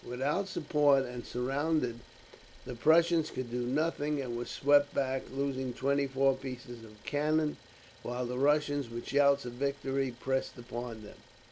Without support, and surrounded, the Prussians could do nothing, and were swept back, losing twenty four pieces of cannon; while the Russians, with shouts of victory, pressed upon them.